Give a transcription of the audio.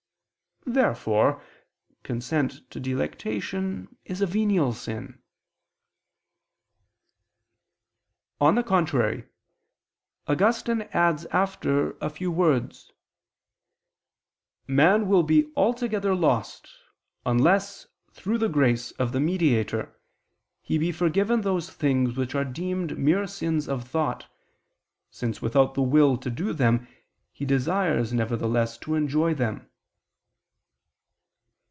'" Therefore consent to delectation is a venial sin. On the contrary, Augustine adds after a few words: "Man will be altogether lost unless, through the grace of the Mediator, he be forgiven those things which are deemed mere sins of thought, since without the will to do them, he desires nevertheless to enjoy them."